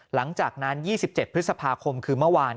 หลังจากนั้น๒๗พฤษภาคมคือเมื่อวาน